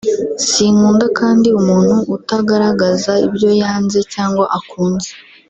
sinkunda kandi umuntu utagaragaza ibyo yanze cyangwa akunze